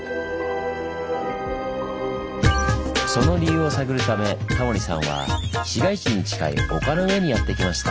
その理由を探るためタモリさんは市街地に近い丘の上にやって来ました。